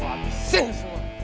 lu abisin semua